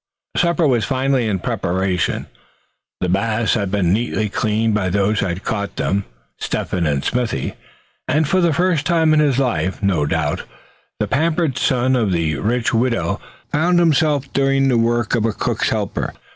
Supper was finally in preparation. The bass had been neatly cleaned by those who had caught them, Step hen and Smithy; and for the first time in his life no doubt, the pampered son of the rich widow found himself doing the work of a cook's helper.